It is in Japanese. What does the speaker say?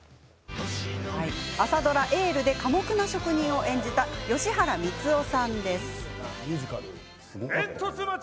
朝ドラ「エール」で寡黙な職人を演じた吉原光夫さん。